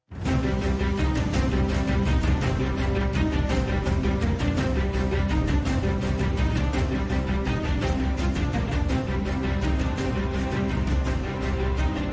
ครับ